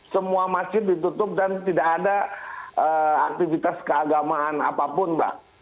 semua masjid ditutup dan tidak ada aktivitas keagamaan apapun mbak